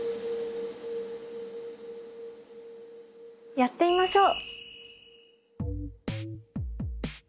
やってみましょう。